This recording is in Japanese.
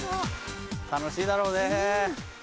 楽しいだろうね。